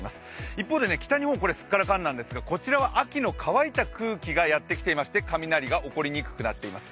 一方で北日本すっからかんなんですが、こちら秋の乾いた空気がやってきて雷が起こりにくくなっています。